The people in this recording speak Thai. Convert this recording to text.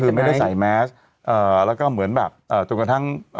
คือไม่ได้ใส่แมสแล้วก็เหมือนแบบจนกระทั่ง